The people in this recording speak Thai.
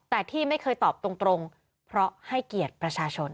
แต่ที่ไม่เคยตอบตรงเพราะให้เกียรติประชาชน